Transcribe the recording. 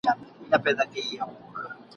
که څه هم چي په سینو کي به لرو غښتلي زړونه ..